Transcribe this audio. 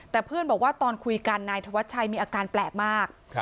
แต่เพื่อนบอกว่าตอนคุยกันนายธวัชชัยมีอาการแปลกมาก